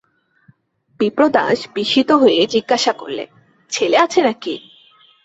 বিপ্রদাস বিস্মিত হয়ে জিজ্ঞাসা করলে, ছেলে আছে নাকি?